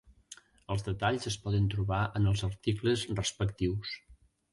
Els detalls es poden trobar en els articles respectius.